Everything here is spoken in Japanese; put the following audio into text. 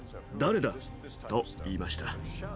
誰だ？」と言いました。